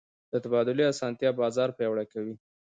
د تبادلې اسانتیا بازار پیاوړی کوي.